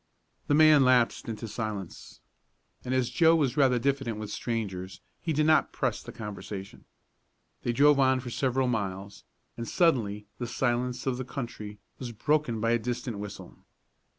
The man lapsed into silence, and as Joe was rather diffident with strangers he did not press the conversation. They drove on for several miles, and suddenly the silence of the country was broken by a distant whistle.